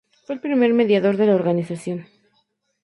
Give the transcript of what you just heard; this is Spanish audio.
Fue el primer mediador de la organización.